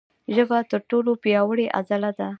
ژبه تر ټولو پیاوړې عضله ده.